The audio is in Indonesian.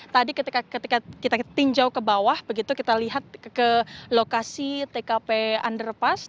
tadi ketika kita tinjau ke bawah begitu kita lihat ke lokasi tkp underpass